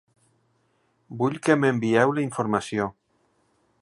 Vull que m'envieu la informació.